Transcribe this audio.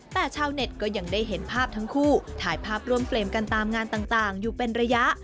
แต่ชาวเน็ตก็ยังได้เห็นภาพทั้งคู่ถ่ายภาพร่วมเฟรมกันตามงานต่างอยู่เป็นระยะ